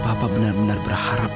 papa benar benar berharap